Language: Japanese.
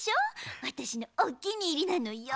あたしのおきにいりなのよ。